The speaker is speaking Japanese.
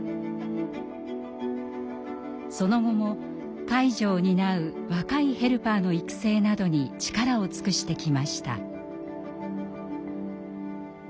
その後も介助を担う若いヘルパーの育成などに力を尽くしてきました。